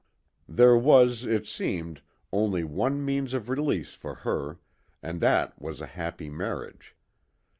There was, it seemed, only one means of release for her, and that was a happy marriage.